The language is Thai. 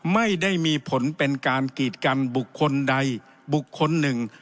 ไม่ได้มีผลเป็นการกีดกันบุคคลใดบุคคลหนึ่ง